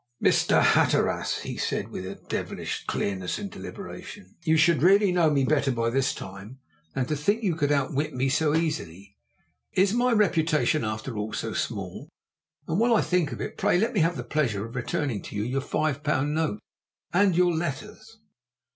"Mr. Hatteras," he said, with devilish clearness and deliberation, "you should really know me better by this time than to think you could outwit me so easily. Is my reputation after all so small? And, while I think of it, pray let me have the pleasure of returning to you your five pound note and your letters.